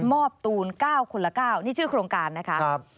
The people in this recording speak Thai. อบตูน๙คนละ๙นี่ชื่อโครงการนะคะ